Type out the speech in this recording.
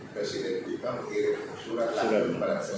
presiden juga mengirim surat lalu kepada presiden